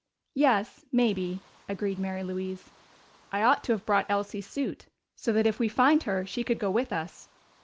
"Yes, maybe," agreed Mary Louise. "I ought to have brought Elsie's suit, so that if we find her she could go with us.